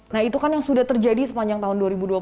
nah itu kan yang sudah terjadi sepanjang tahun dua ribu dua puluh